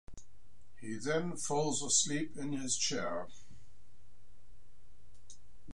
He then falls asleep in his chair.